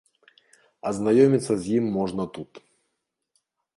Азнаёміцца з ім можна тут.